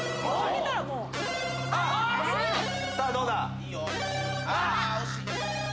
さあどうだ？